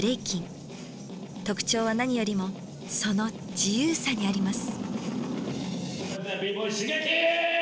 特徴は何よりもその自由さにあります。